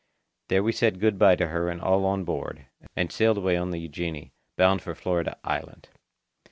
There we said good bye to her and all on board, and sailed away on the Eugenie, bound for Florida Island.